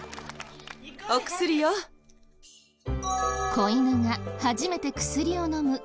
子犬が初めて薬を飲む。